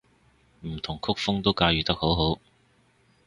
唔同曲風都駕馭得好好